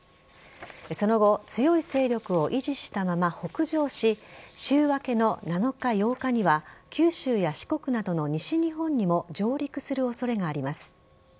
その後強い勢力を維持したまま北上し週明けの７日、８日には九州や四国などの西日本にも上陸する恐れがあります。